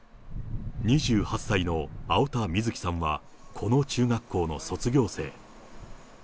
２８歳のあおたみずきさんはこの中学校の卒業生。